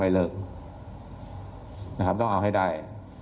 ท่านพรุ่งนี้ไม่แน่ครับ